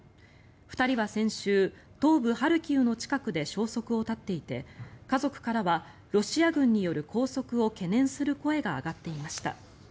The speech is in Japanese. ２人は先週東部ハルキウの近くで消息を絶っていて家族からはロシア軍による拘束を懸念する声が上がっていました。